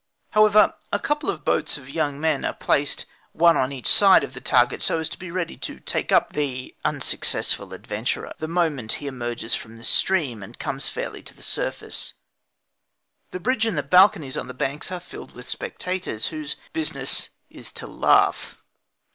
However, a couple of boats full of young men are placed one on each side of the target, so as to be ready to take up the unsuccessful adventurer the moment he emerges from the stream and comes fairly to the surface. The bridge and the balconies on the banks are filled with spectators, whose business is to laugh.